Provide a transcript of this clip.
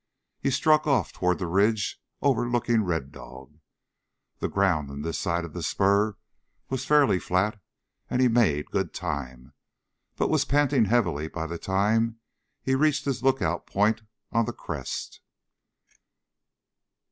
He struck off toward the ridge overlooking Red Dog. The ground on this side of the spur was fairly flat and he made good time, but was panting heavily by the time he reached his lookout point on the crest.